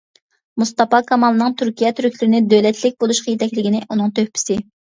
مۇستاپا كامالنىڭ تۈركىيە تۈركلىرىنى دۆلەتلىك بولۇشقا يېتەكلىگىنى ئۇنىڭ تۆھپىسى.